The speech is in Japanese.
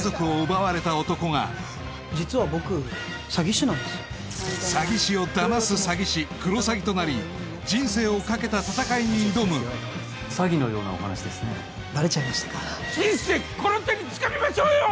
実は僕詐欺師なんです詐欺師をだます詐欺師クロサギとなり人生をかけた闘いに挑む詐欺のようなお話ですねバレちゃいましたか人生この手につかみましょうよ！